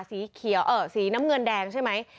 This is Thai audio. สีเขียวเอ่อสีน้ำเงินแดงใช่ไหม